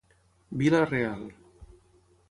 Vila Real.